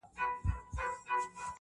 دلته دا کتل په کار دي چې